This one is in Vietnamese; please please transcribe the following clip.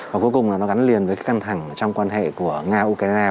và cuối cùng là nó gắn liền với cái căng thẳng trong quan hệ của nga ukraine